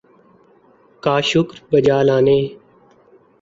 کا شکر بجا لانے